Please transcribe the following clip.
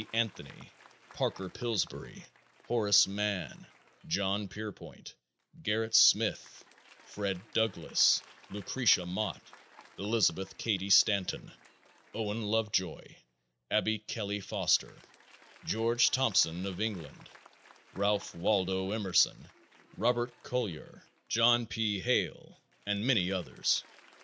Anthony, Parker Pillsbury, Horace Mann, John Pierpont, Gerrit Smith, Fred Douglas, Lucretia Mott, Elizabeth Cady Stanton, Owen Lovejoy, Abby Kelly Foster, George Thompson of England, Ralph Waldo Emerson, Robert Collyer, John P. Hale and many others.